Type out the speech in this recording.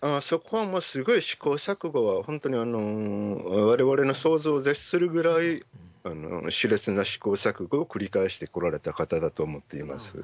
そこはもうすごい試行錯誤、本当にわれわれの想像を絶するぐらい、しれつな試行錯誤を繰り返してこられた方だと思っています。